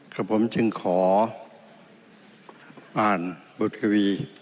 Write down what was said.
กับผมจึงขออ่านบททีวี